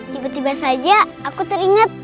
tiba tiba saja aku teringat